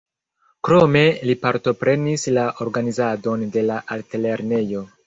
Krome li partoprenis la organizadon de la altlernejo.